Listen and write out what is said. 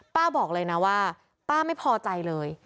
บอกเลยนะว่าป้าไม่พอใจเลย